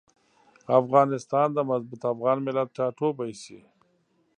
افغانستان د مضبوط افغان ملت ټاټوبی شي.